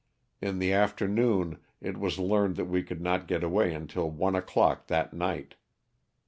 In the after noon it was learned that we could not get away until one o'clock that night.